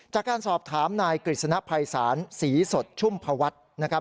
จากการสอบถามนายกฤษณภัยสารศรีสดชุ่มพวัตร